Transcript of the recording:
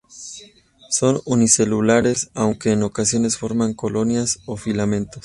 Son unicelulares, aunque en ocasiones forman colonias o filamentos.